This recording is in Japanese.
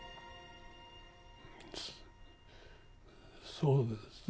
そうですね。